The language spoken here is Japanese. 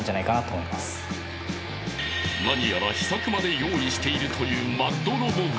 ［何やら秘策まで用意しているというＭＡＤロボ部］